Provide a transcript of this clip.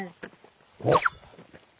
おっ。